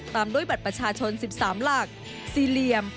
ตามด้วยบัตรประชาชน๑๓หลักสี่เหลี่ยม